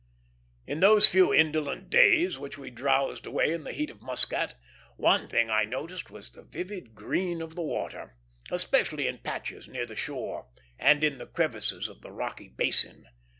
In those few indolent days which we drowsed away in the heat of Muscat, one thing I noticed was the vivid green of the water, especially in patches near the shore, and in the crevices of the rocky basin.